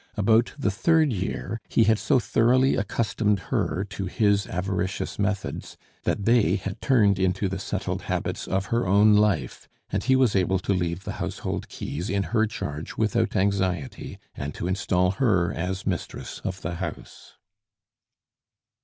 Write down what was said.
About the third year he had so thoroughly accustomed her to his avaricious methods that they had turned into the settled habits of her own life, and he was able to leave the household keys in her charge without anxiety, and to install her as mistress of the house.